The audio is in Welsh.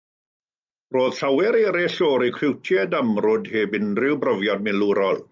Roedd llawer eraill yn recriwtiaid amrwd heb unrhyw brofiad milwrol.